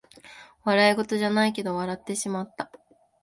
笑いごとじゃないけど笑ってしまった